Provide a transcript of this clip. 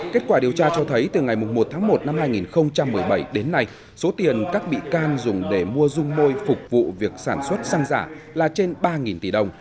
kết quả điều tra cho thấy từ ngày một tháng một năm hai nghìn một mươi bảy đến nay số tiền các bị can dùng để mua dung môi phục vụ việc sản xuất xăng giả là trên ba tỷ đồng